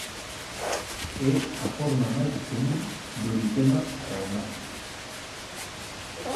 É a forma máis común do eritema traumático.